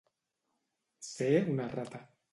Ser una rata.